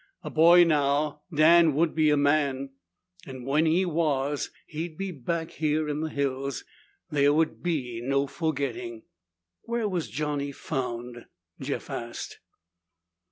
A boy now, Dan would be a man. When he was, he'd be back here in the hills. There would be no forgetting. "Where was Johnny found?" Jeff asked.